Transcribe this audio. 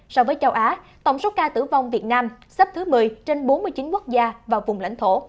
so với châu á tổng số ca tử vong việt nam xếp thứ một mươi trên bốn mươi chín quốc gia và vùng lãnh thổ